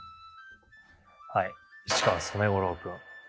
はい市川染五郎君。